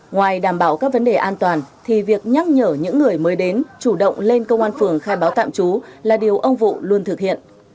ngoài đảm bảo các vấn đề an toàn thì việc nhắc nhở những người mới đến chủ động lên công an phường khai báo tạm trú là điều ông vụ luôn thực hiện